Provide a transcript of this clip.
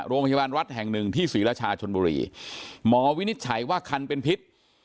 โรงพยาบาลวัดแห่งหนึ่งที่ศรีราชาชนบุรีหมอวินิจฉัยว่าคันเป็นพิษ